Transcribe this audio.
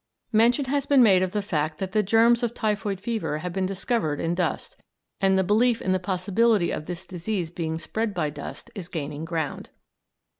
Mention has been made of the fact that the germs of typhoid fever have been discovered in dust, and the belief in the possibility of this disease being spread by dust is gaining ground.